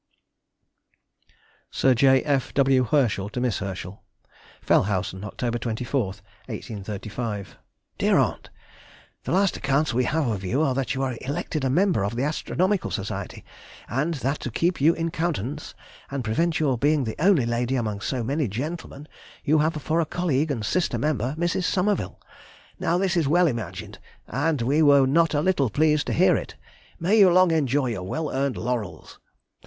SIR J. F. W. HERSCHEL TO MISS HERSCHEL. FELLHAUSEN, Oct. 24, 1835. DEAR AUNT,— The last accounts we have of you are that you are elected a member of the Astronomical Society, and that to keep you in countenance, and prevent your being the only lady among so many gentlemen, you have for a colleague and sister member, Mrs. Somerville. Now this is well imagined, and we were not a little pleased to hear it. May you long enjoy your well earned laurels!